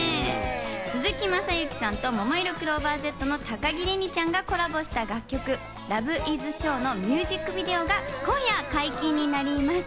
鈴木雅之さんと、ももいろクローバーＺの高城れにちゃんがコラボした楽曲、『ＬｏｖｅｉｓＳｈｏｗ』のミュージックビデオが今夜解禁になります。